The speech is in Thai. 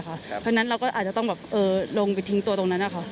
เพราะฉะนั้นเราก็อาจจะต้องลงไปทิ้งตัวตรงนั้นนะคะ